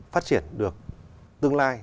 phát triển được tương lai